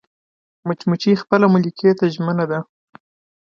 مچمچۍ خپل ملکې ته ژمنه ده